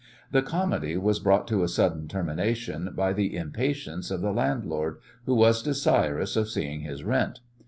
The comedy was brought to a sudden termination by the impatience of the landlord, who was desirous of seeing his rent.